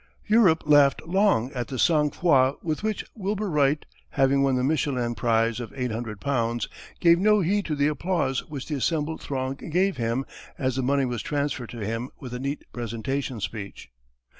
Europe laughed long at the sang froid with which Wilbur Wright, having won the Michelin prize of eight hundred pounds, gave no heed to the applause which the assembled throng gave him as the money was transferred to him with a neat presentation speech.